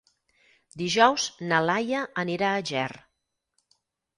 Dijous na Laia anirà a Ger.